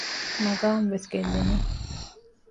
މަގާމް ވެސް ގެއްލެނީ؟